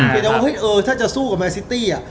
เพียงแต่ว่าถ้าจะสู้กับแมนเซอร์ซิตี้